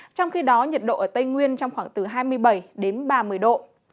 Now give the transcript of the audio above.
trong khi đó nhiệt độ ở tây nguyên trong khoảng từ hai mươi bảy đến ba mươi độ